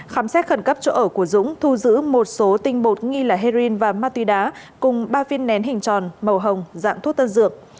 khám xét khẩn cấp chỗ ở của dũng thu giữ một số tinh bột nghi là heroin và ma túy đá cùng ba viên nén hình tròn màu hồng dạng thuốc tân dược